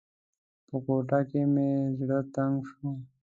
په کوټه کې مې زړه تنګ شو.